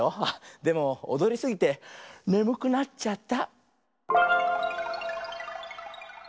でもおどりすぎてねむくなっちゃった。